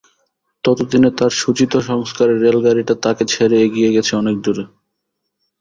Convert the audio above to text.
তত দিনে তাঁর সূচিত সংস্কারের রেলগাড়িটা তাঁকে ছেড়ে এগিয়ে গেছে অনেক দূর।